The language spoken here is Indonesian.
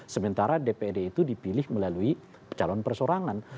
sementara dpd itu dipilih melalui calon persorangan